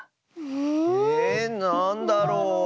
えなんだろう？